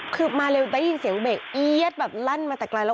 คือมาเร็วได้ยินเสียงเบรกเอี๊ยดแบบลั่นมาแต่ไกลแล้ว